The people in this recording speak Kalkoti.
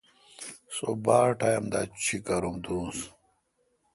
سو باڑ ٹائم دا چیکارم دوس۔